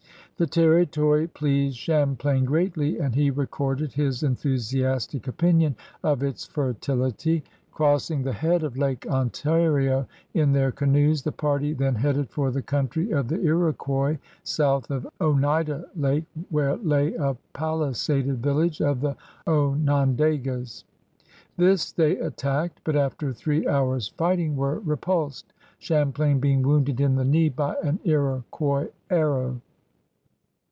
The territory pleased Champlain greatly, and he recorded his enthusiastic opinion of its fertility. Crossing the head of Lake Ontario in their canoes the party then headed for the country of the L*oquois south of Oneida Lake, where lay a palisaded village of the Onondagas. This they attacked, but after three hours' fighting were repulsed, Champlain being wounded in the knee by an L*oquois arrow.